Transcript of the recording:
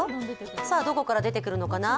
さあ、どこから出てくるのかな。